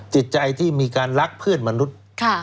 จิตใจที่มีการรักเพื่อนมนุษย์